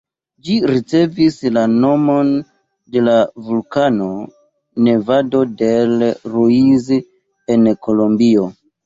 Ĝi ricevis la nomon de la vulkano Nevado del Ruiz en Kolombio.